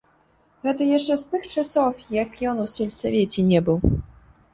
Гэта яшчэ з тых часоў, як ён у сельсавеце не быў.